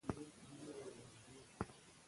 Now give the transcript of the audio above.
مور دې کافي اوبه په وقفو وڅښي.